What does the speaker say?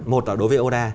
một là đối với oda